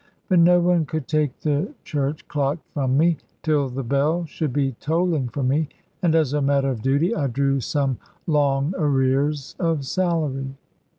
But no one could take the church clock from me, till the bell should be tolling for me; and as a matter of duty I drew some long arrears of salary.